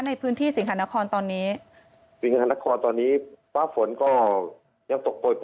ในพื้นที่สิงหานครตอนนี้สิงหานครตอนนี้ฟ้าฝนก็ยังตกโปย